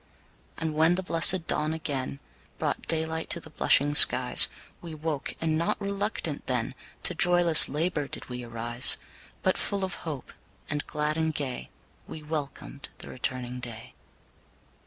And when the blessed dawn again Brought daylight to the blushing skies, We woke, and not RELUCTANT then, To joyless LABOUR did we rise; But full of hope, and glad and gay, We welcomed the returning day.